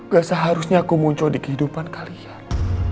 gak seharusnya aku muncul di kehidupan kalian